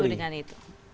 hal itu dengan ini